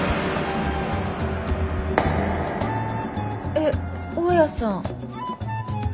えっ大家さん！？